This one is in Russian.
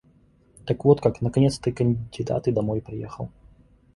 Так вот как, наконец ты кандидат и домой приехал.